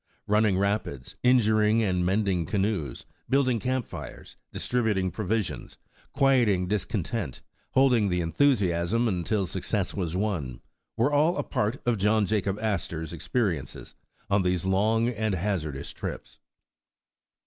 Running rapids, injuring and mending canoes, building camp fires, distributing provisions, quieting discontent, holding the enthusiasm until success was won, were all a part of John Jacob Astor 's experiences on these long and hazardous trips.